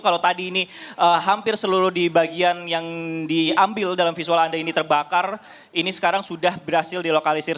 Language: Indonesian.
kalau tadi ini hampir seluruh di bagian yang diambil dalam visual anda ini terbakar ini sekarang sudah berhasil dilokalisir